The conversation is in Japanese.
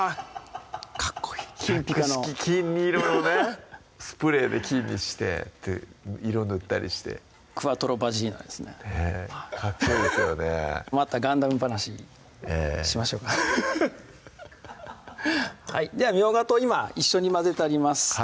かっこいい金ぴかの百式金色のねスプレーで金にして色塗ったりしてクワトロ・バジーナですねええかっこいいですよねまたガンダム話しましょうかではみょうがと今一緒に混ぜてあります